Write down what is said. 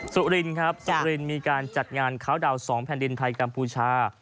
สุรินครับสุรินมีการจัดงานคาวดาวน๒แผ่นดินไทยกัมพูชา